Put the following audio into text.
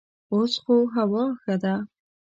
اوس خو هوا ښه ده.